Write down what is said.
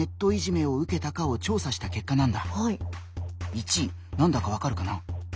１位何だかわかるかな？